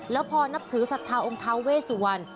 แล้วพอนับถือสัตว์ท้าองค์ท้าเวสวัน